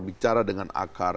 bicara dengan akar